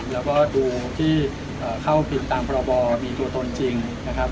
แล้วก็ดูที่เข้าพิมพ์ตามพรบมีตัวตนจริงนะครับ